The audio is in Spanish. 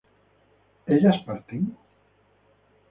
¿ellas parten?